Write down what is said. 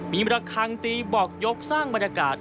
มีมระคังตีบอกยกสร้างบรรยากาศ